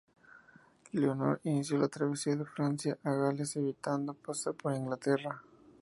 Leonor inició la travesía de Francia a Gales, evitando pasar por Inglaterra.